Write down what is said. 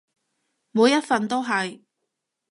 每一份都係